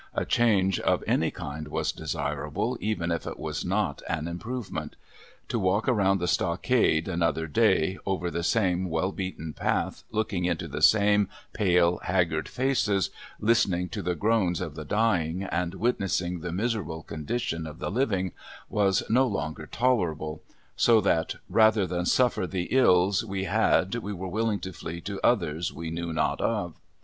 A change of any kind was desirable even if it was not an improvement. To walk around the stockade another day, over the same well beaten path, looking into the same pale, haggard faces, listening to the groans of the dying and witnessing the miserable condition of the living, was no longer tolerable, so that, "rather than suffer the ills we had we were willing to flee to others we knew not of."